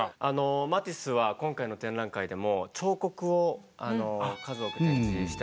マティスは今回の展覧会でも彫刻を数多く展示してますよね。